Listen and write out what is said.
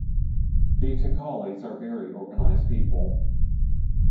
The Thakalis are very organized people.